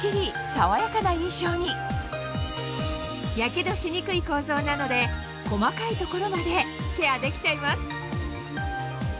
爽やかな印象に火傷しにくい構造なので細かい所までケアできちゃいます